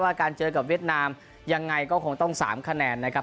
การเจอกับเวียดนามยังไงก็คงต้อง๓คะแนนนะครับ